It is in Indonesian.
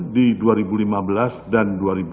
empat belas satu di dua ribu lima belas dan dua ribu enam belas